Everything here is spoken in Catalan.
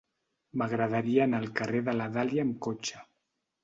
M'agradaria anar al carrer de la Dàlia amb cotxe.